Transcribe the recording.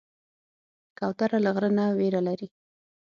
کوتره له غره نه ویره لري.